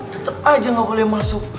tetep aja gak boleh masuk